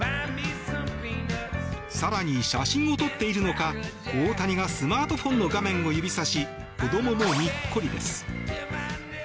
更に、写真を撮っているのか大谷がスマートフォンの画面を指さし子どももにっこりです。